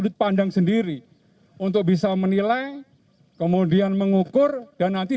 terima kasih pak